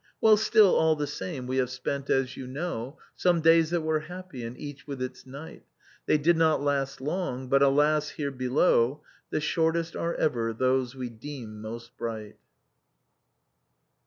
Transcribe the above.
"Well, still all the same we have spent as you know Some days that were happy — and each with its night; They did not last long, but, alas, here below. The shortest are ever those we deem moet bright."